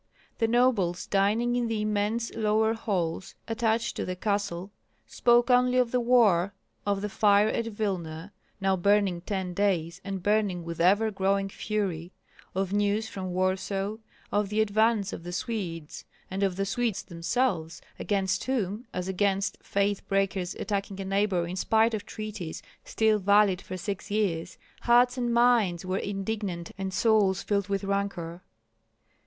The nobles dining in the immense lower halls attached to the castle spoke only of the war, of the fire at Vilna, now burning ten days and burning with ever growing fury, of news from Warsaw, of the advance of the Swedes, and of the Swedes themselves, against whom, as against faith breakers attacking a neighbor in spite of treaties still valid for six years, hearts and minds were indignant and souls filled with rancor.